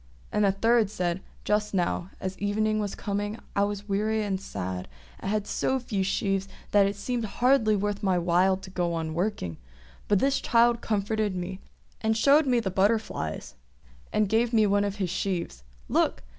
And a third said, "Just now, as evening was coming, I was weary and sad, and had so few sheaves that it seemed hardly worth my while to go on working; but this child comforted me, and showed me the butterflies, and gave me of his sheaves. Look!